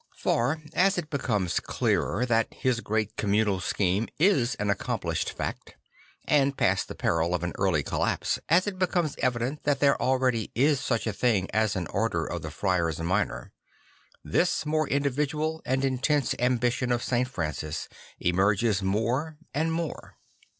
For as it becomes clearer that his great communal scheme is an accomplished fact and past the peril of an early collapse, as it becomes evident that there already is such a thing as an Order of the Friars Minor, this more individual and intense ambition of St. Francis emerges more and more.